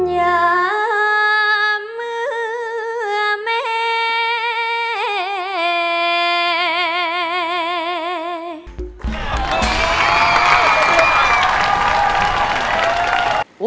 อย่าเมื่อแม่